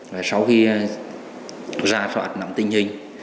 và sau khi ra soát nằm tình hình